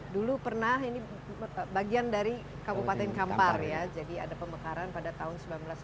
dulu pernah ini bagian dari kabupaten kampar ya jadi ada pemekaran pada tahun seribu sembilan ratus sembilan puluh